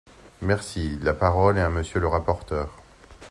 Merci ! La parole est à Monsieur le rapporteur.